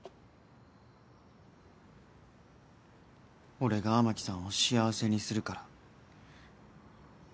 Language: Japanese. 俺が雨樹さんを幸せにするから。